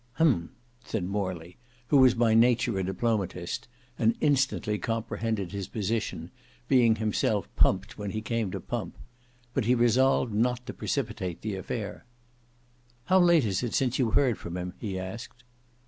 "Hem!" said Morley, who was by nature a diplomatist, and instantly comprehended his position, being himself pumped when he came to pump; but he resolved not to precipitate the affair. "How late is it since you heard from him?" he asked.